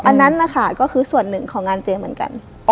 อันนั้นนะคะก็คือส่วนหนึ่งของงานเจเหมือนกัน